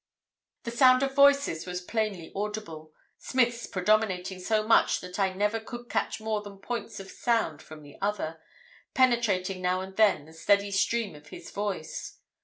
"The sound of voices was plainly audible, Smith's predominating so much that I never could catch more than points of sound from the other, penetrating now and then the steady stream of his voice.